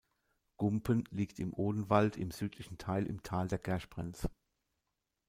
Gumpen liegt im Odenwald im südlichen Teil im Tal der Gersprenz.